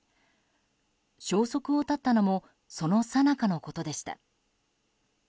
消息を絶ったのもそのさなかのことでした。